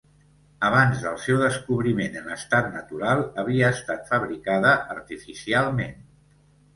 Abans del seu descobriment en estat natural havia estat fabricada artificialment.